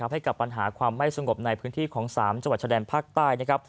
ให้กับปัญหาความไม่สงบในพื้นที่ของ๓จังหวัดชะแดนภาคใต้นะครับ